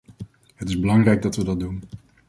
Het is belangrijk dat we dat doen.